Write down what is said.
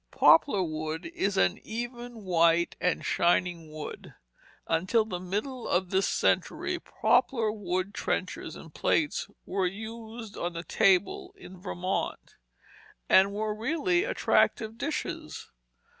Poplar wood is an even, white, and shining wood. Until the middle of this century poplar wood trenchers and plates were used on the table in Vermont, and were really attractive dishes.